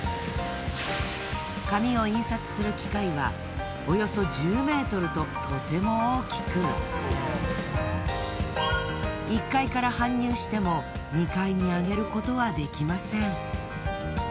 紙を印刷する機械はおよそ１０メートルととても大きく１階から搬入しても２階に上げることはできません。